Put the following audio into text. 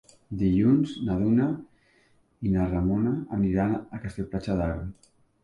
Dilluns na Duna i na Ramona aniran a Castell-Platja d'Aro.